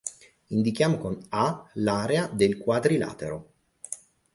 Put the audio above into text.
Indichiamo con "A" l'area del quadrilatero.